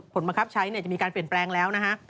ผลมะครับใช้เนี่ยจะมีการเปลี่ยนแปลงแล้วนะฮะ